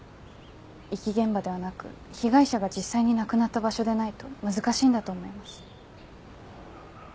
遺棄現場ではなく被害者が実際に亡くなった場所でないと難しいんだと思います。